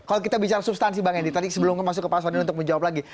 kalau kita bicara substansi bang edi tadi sebelum masuk ke pak soni untuk menjawab lagi